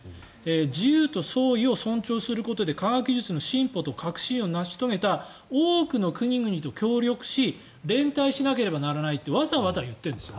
自由と創意を尊重することで科学技術の進歩と革新を成し遂げた多くの国々と協力し連帯しなければならないってわざわざ言ってるんです。